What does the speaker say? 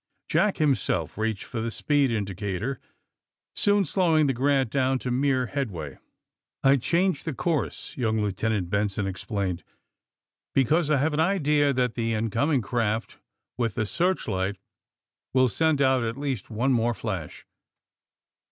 '' Jack himself reached for the speed indicator, soon slowing the Granf down to mere head way. I changed the course," young Lientenant Benson explained, because IVe an idea that the incoming craft with the searchlight will send out at least one more flash.